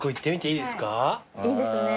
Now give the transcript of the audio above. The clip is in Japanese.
いいですね。